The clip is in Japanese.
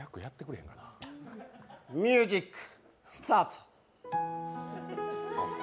ミュージックスタート。